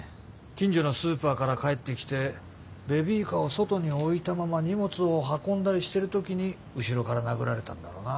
近所のスーパーから帰ってきてベビーカーを外に置いたまま荷物を運んだりしてる時に後ろから殴られたんだろうな。